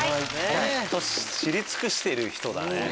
本当知り尽くしている人だね。